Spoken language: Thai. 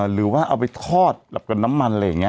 หรือว่าเอาไปทอดกับน้ำมันอะไรอย่างนี้